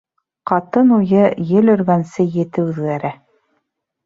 Ҡатын уйы ел өргәнсе ете үҙгәрә.